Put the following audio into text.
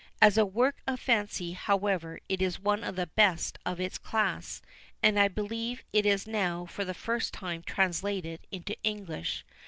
As a work of fancy, however, it is one of the best of its class, and I believe is now for the first time translated into English.